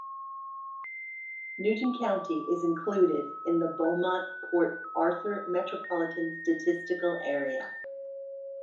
Newton County is included in the Beaumont-Port Arthur Metropolitan Statistical Area.